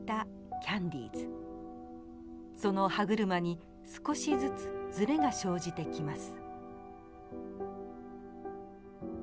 その歯車に少しずつズレが生じてきます。